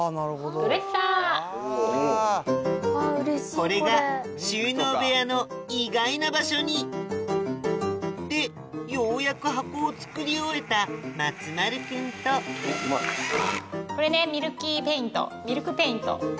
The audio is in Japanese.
これが収納部屋の意外な場所にでようやく箱を作り終えた松丸君とこれミルキーペイントミルクペイント。